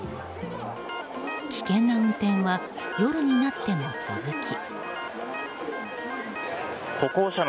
危険な運転は夜になっても続き。